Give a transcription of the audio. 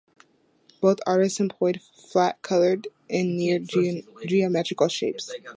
Both artists employed flat-colored and near geometrical shapes.